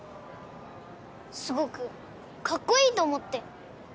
すごくかっこいいと思って。